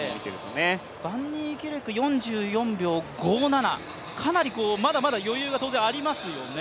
バンニーキルク４４秒５７、かなりまだまだ余裕が当然ありますよね。